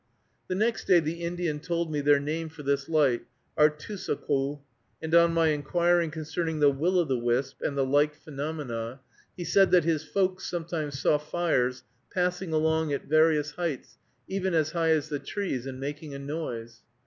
The next day the Indian told me their name for this light, artoosoqu' and on my inquiring concerning the will o' the wisp, and the like phenomena, he said that his "folks" sometimes saw fires passing along at various heights, even as high as the trees, and making a noise.